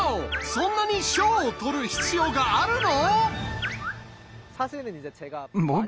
そんなに賞を取る必要があるの？